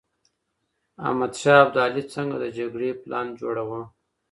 احمد شاه ابدالي څنګه د جګړې پلان جوړاوه؟